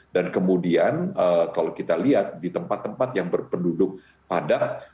dan kemudian kalau kita lihat di tempat tempat yang berpenduduk padat